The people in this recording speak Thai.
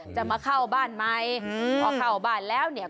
จะมาเข้าบ้านไหมพอเข้าบ้านแล้วเนี่ย